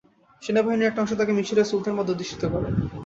সেনাবাহিনীর একটি অংশ তাঁকে মিসরের সুলতান পদে অধিষ্ঠিত করে।